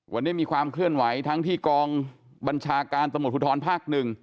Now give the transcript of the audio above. วันนี้มีความเคลื่อนไหวทั้งที่กองบัญชาการตำรวจภูทรภาค๑